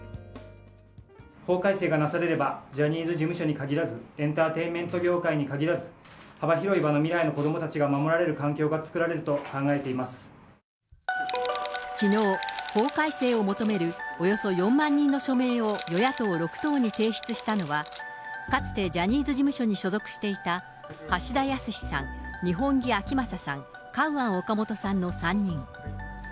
法改正がなされれば、ジャニーズ事務所にかぎらず、エンターテインメント業界に限らず、幅広い場の未来の子どもたちが守られる環境が作られると考えていきのう、法改正を求めるおよそ４万人の署名を与野党６党に提出したのは、かつてジャニーズ事務所に所属していた橋田康さん、二本樹顕理さん、カウアン・オカモトさんの３人。